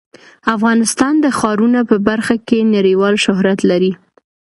افغانستان د ښارونه په برخه کې نړیوال شهرت لري.